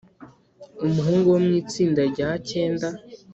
Umuhungu wo mu itsinda rya cyenda